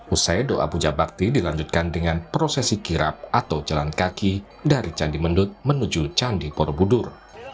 usai doa puja bakti dilanjutkan dengan prosesi kirap atau jalan kaki dari candi mendut menuju candi borobudur